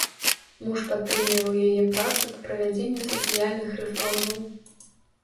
Муж падтрымліваў яе працу па правядзенню сацыяльных рэформаў.